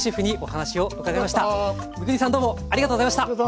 三國さんどうもありがとうございました。